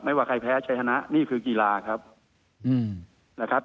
ว่าใครแพ้ใช้ชนะนี่คือกีฬาครับนะครับ